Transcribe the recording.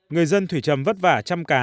người dân thủy trầm vất vả chăm cá